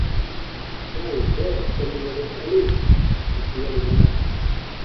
Chai beur qu’elle ne me laisse hâler, s’écria le baron.